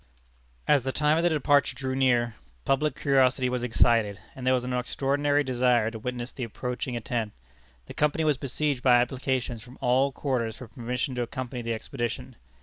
As the time of departure drew near, public curiosity was excited, and there was an extraordinary desire to witness the approaching attempt. The Company was besieged by applications from all quarters for permission to accompany the expedition.